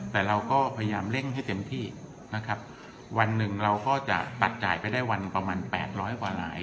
แต่เราก็พยายามเร่งให้เต็มที่นะครับวันหนึ่งเราก็จะตัดจ่ายไปได้วันประมาณแปดร้อยกว่าลาย